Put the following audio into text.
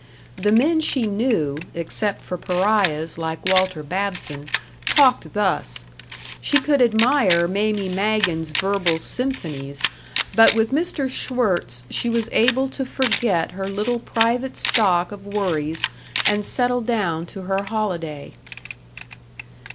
The men she knew, except for pariahs like Walter Babson, talked thus. She could admire Mamie Magen's verbal symphonies, but with Mr. Schwirtz she was able to forget her little private stock of worries and settle down to her holiday.